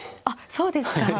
あっそうですか。